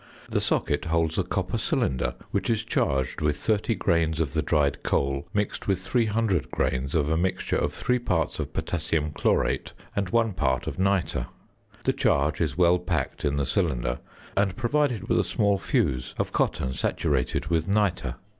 The socket holds a copper cylinder which is charged with 30 grains of the dried coal mixed with 300 grains of a mixture of 3 parts of potassium chlorate and 1 part of nitre. The charge is well packed in the cylinder and provided with a small fuse of cotton saturated with nitre.